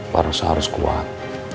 barusan harus kuat